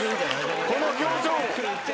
この表情！